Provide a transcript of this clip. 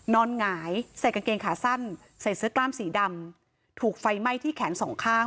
หงายใส่กางเกงขาสั้นใส่เสื้อกล้ามสีดำถูกไฟไหม้ที่แขนสองข้าง